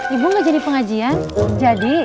ibu gak jadi pengajian jadi